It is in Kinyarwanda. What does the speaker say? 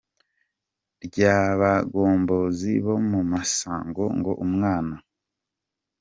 ry’abagombozi bo ku Musamo ngo “Umwana